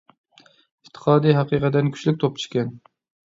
ئېتىقادى ھەقىقەتەن كۈچلۈك توپچى ئىكەن